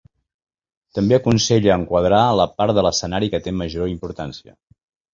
També aconsella enquadrar la part de l’escenari que té major importància.